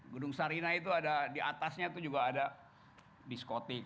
gedung sarina itu ada di atasnya itu juga ada diskotik